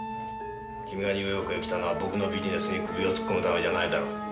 君がニューヨークへ来たのは僕のビジネスに首を突っ込むためじゃないだろう。